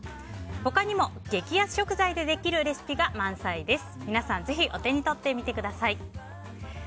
他にも激安食材でできるレシピが満載です。